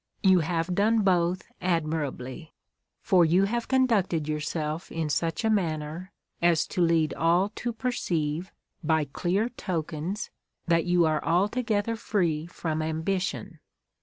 You have done both admirably. For you have conducted yourself in such a manner, as to lead all to perceive, by clear tokens, that you are altogether free from ambition.